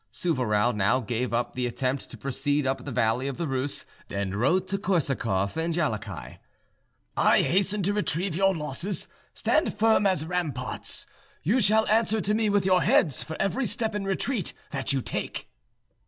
Souvarow now gave up the attempt to proceed up the valley of the Reuss, and wrote to Korsakoff and Jallachieh, "I hasten to retrieve your losses; stand firm as ramparts: you shall answer to me with your heads for every step in retreat that you take."